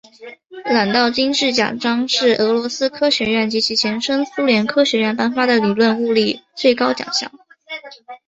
朗道金质奖章是俄罗斯科学院及其前身苏联科学院颁发的理论物理最高奖项。